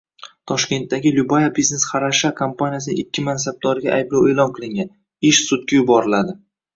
Toshkentdagi “Lyubaya biznes xorosha” kompaniyasining ikki mansabdoriga ayblov e’lon qilingan, ish sudga yuboriladi